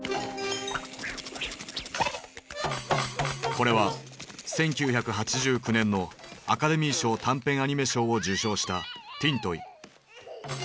これは１９８９年のアカデミー賞短編アニメ賞を受賞した「ＴｉｎＴｏｙ」。